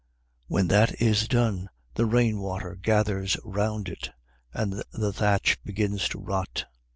When that is done, the rain water gathers round it, and the thatch begins to rot.